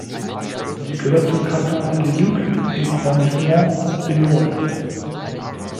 Sie gehört zum Kanton Le Luc im Arrondissement Brignoles.